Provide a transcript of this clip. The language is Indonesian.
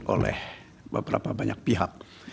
oleh beberapa banyak pihak